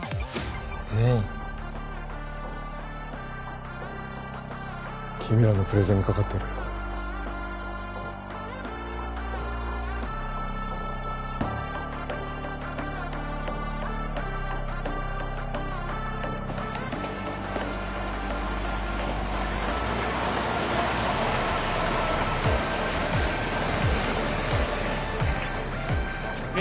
全員君らのプレゼンにかかっているえ